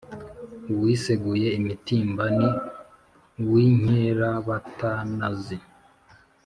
Uwiseguye imitimba ni uw’Inkerabatanazi,